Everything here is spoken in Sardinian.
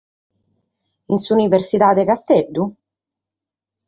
In s’Universidade de Casteddu?